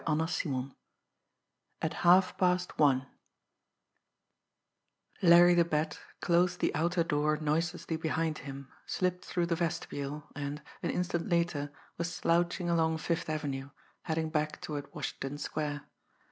CHAPTER VIII AT HALFPAST ONE Larry the Bat closed the outer door noiselessly behind him, slipped through the vestibule and, an instant later, was slouching along Fifth Avenue, heading back toward Washington Square.